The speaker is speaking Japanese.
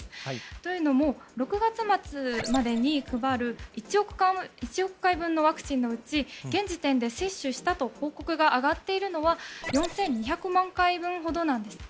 というのも、６月末までに配る１億回分のワクチンのうち現時点で接種したと報告が上がっているのは４２００万回分ほどなんです。